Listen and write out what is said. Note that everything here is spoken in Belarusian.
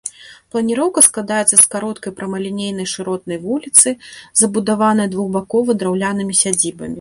Планіроўка складаецца з кароткай прамалінейнай, шыротнай вуліцы, забудаванай двухбакова драўлянымі сядзібамі.